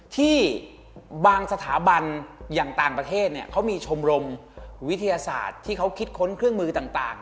ที่บางสถาบันอย่างต่างประเทศเขามีชมรมวิทยาศาสตร์ที่เขาคิดค้นเครื่องมือต่าง